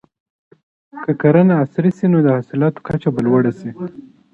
که کرنه عصري سي نو د حاصلاتو کچه به لوړه سي.